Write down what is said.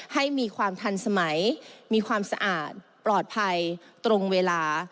ให้มีความทันสมัยมีความสะอาดปลอดภัยตรงเวลา